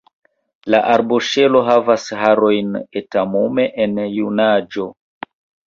La arboŝelo havas harojn etamume en junaĝo.